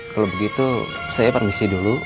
kalau begitu saya permisi dulu